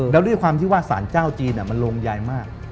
แล้วด้วยความที่ว่าสารเจ้าจีนมันลงยายมาก